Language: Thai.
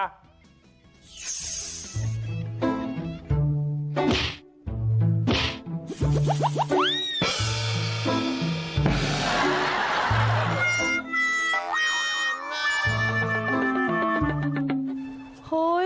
เฮ้ย